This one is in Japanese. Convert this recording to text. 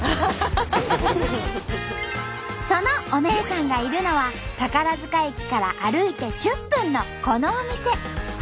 その「おねぇさん」がいるのは宝塚駅から歩いて１０分のこのお店。